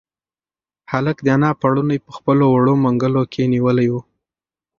هلک د انا پړونی په خپلو وړو منگولو کې نیولی و.